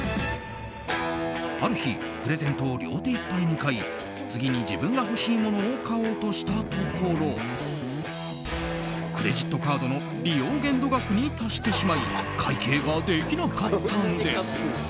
ある日プレゼントを両手いっぱいに買い次に自分が欲しいものを買おうとしたところクレジットカードの利用限度額に達してしまい会計ができなかったんです。